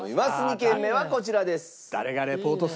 ２軒目はこちらです。